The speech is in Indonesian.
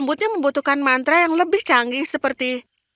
tidak pernah senang dengan putri